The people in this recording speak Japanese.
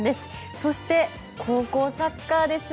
そして、高校サッカーですね。